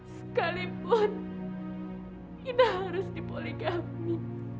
sekalipun inah harus dipoligami